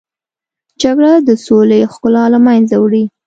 جګړه د سولې ښکلا له منځه وړي